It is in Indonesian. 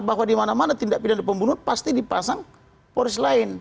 bahwa dimana mana tindak pindahan pembunuh pasti dipasang polis lain